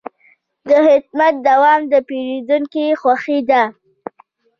د خدمت دوام د پیرودونکي خوښي ده.